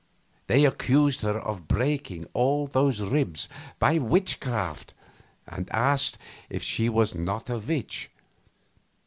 They accused her of breaking all those ribs by witchcraft, and asked her if she was not a witch?